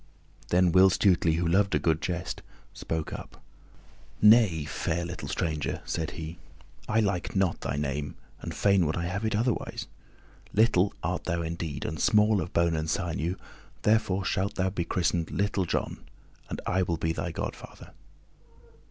Then Will Stutely, who loved a good jest, spoke up. "Nay, fair little stranger," said he, "I like not thy name and fain would I have it otherwise. Little art thou indeed, and small of bone and sinew, therefore shalt thou be christened Little John, and I will be thy godfather."